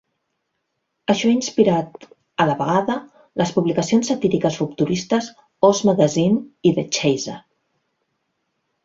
Això ha inspirat, a la vegada, les publicacions satíriques rupturistes "Oz Magazine" i "The Chaser".